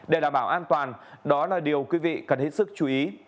để đảm bảo an toàn đó là điều quý vị cần hết sức chú ý